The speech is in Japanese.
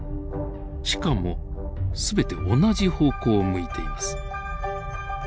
しかも全て同じ方向を向いています。